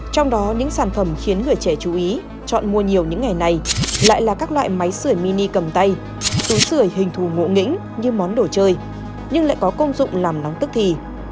trong đó những sản phẩm khiến người trẻ chú ý chọn mua nhiều những ngày này lại là các loại máy sửa mini cầm tay túi sửa hình thù ngộ nghĩnh như món đồ chơi nhưng lại có công dụng làm nóng tức thì